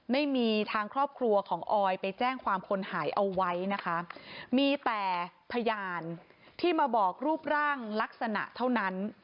ไม่มีทางครอบครัวของออยไปแจ้งความคนหายเอาไว้นะคะมีแต่พยานที่มาบอกรูปร่างลักษณะเท่านั้น